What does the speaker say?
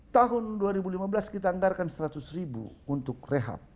tahun dua ribu lima belas kita anggarkan seratus ribu untuk rehab